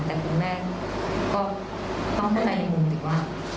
แต่คุณแม่ก็ต้องเข้าในมุมติ๊กว่า